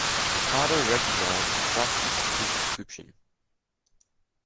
Ricardo recognised the justice of his description.